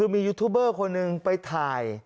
มียูทูบเบอร์คนหนึ่งไปถ่าย